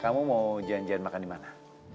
kamu mau janjian makan dimana